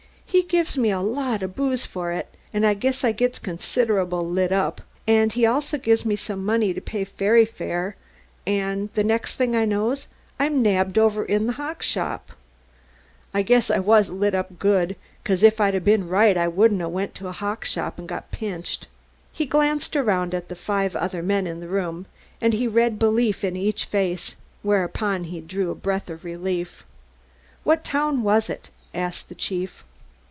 He gives me a lot o' booze for it, an' I guess I gits considerable lit up, an' he also gives me some money to pay ferry fare, an' the next thing I knows I'm nabbed over in the hock shop. I guess I was lit up good, 'cause if I'd 'a' been right I wouldn't 'a' went to the hock shop an' got pinched." He glanced around at the five other men in the room, and he read belief in each face, whereupon he drew a breath of relief. "What town was it?" asked the chief.